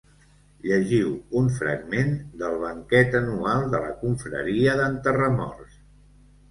Llegiu un fragment d’El banquet anual de la confraria d’enterramorts.